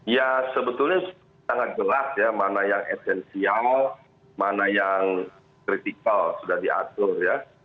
ya sebetulnya sangat jelas ya mana yang esensial mana yang kritikal sudah diatur ya